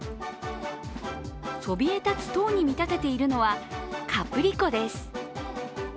そびえ立つ塔に見立てているのはカプリコです。